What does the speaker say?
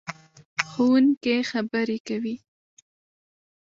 ښوونکې خبرې کوي.